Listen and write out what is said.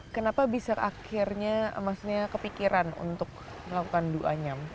kenapa bisa akhirnya kepikiran untuk melakukan duanyam